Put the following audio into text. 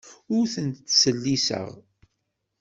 Ur ten-ttlessiseɣ.